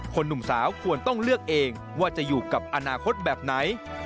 หนุ่มสาวควรต้องเลือกเองว่าจะอยู่กับอนาคตแบบไหน